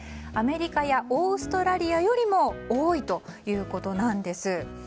アメリカやオーストラリアよりも多いということなんです。